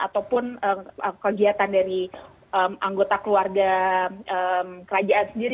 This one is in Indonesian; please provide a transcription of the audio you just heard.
ataupun kegiatan dari anggota keluarga kerajaan sendiri